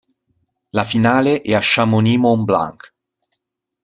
La finale è a Chamonix-Mont-Blanc.